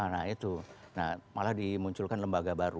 nah itu malah dimunculkan lembaga baru